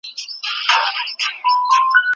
څه وخت ملي سوداګر د ماشومانو خوراک هیواد ته راوړي؟